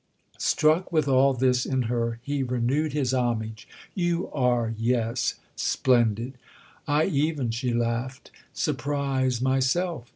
Struck with all this in her he renewed his homage. "You are, yes, splendid!" "I even," she laughed, "surprise myself."